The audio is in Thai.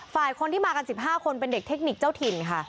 ฝ่ายคนที่มากัน๑๕คนเป็นเด็กเทคนิคเจ้าถิ่นค่ะ